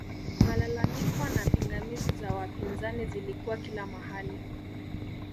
malalamiko na pingamizi za wapinzani zilikuwa kila mahali